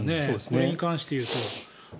これに関して言うと。